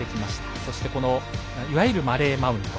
そしていわゆるマレー・マウント。